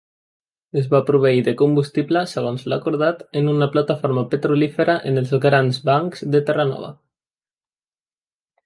Es va proveir de combustible, segons l'acordat, en una plataforma petrolífera en els Grans Bancs de Terranova.